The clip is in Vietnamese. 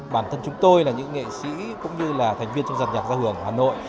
bản thân chúng tôi là những nghệ sĩ cũng như là thành viên trong giàn nhạc giao hưởng hà nội